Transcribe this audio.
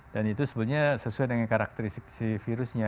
dan itu sebetulnya sesuai dengan karakteristik virusnya